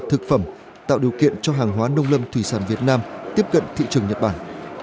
thực phẩm tạo điều kiện cho hàng hóa nông lâm thủy sản việt nam tiếp cận thị trường nhật bản